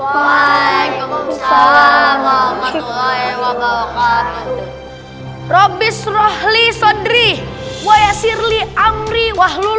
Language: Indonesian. waalaikumsalam warahmatullahi wabarakatuh